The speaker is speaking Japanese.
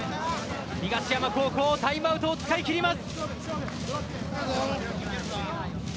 東山高校タイムアウトを使い切ります。